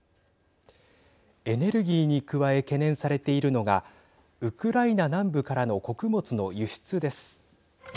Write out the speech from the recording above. エネルギーに加え懸念されているのがウクライナ南部からの穀物の輸出です。